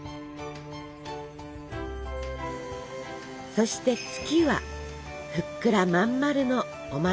そして「月」はふっくらまん丸のおまんじゅう。